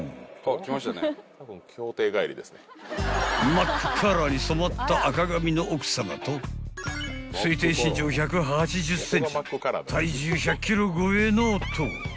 ［マックカラーに染まった赤髪の奥さまと推定身長１８０ｃｍ体重１００ｋｇ超えの夫］